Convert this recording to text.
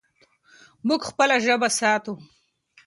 موږ خپله ژبه ساتو.